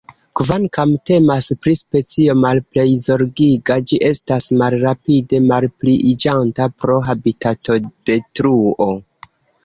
Kvankam temas pri specio Malplej Zorgiga, ĝi estas malrapide malpliiĝanta pro habitatodetruo.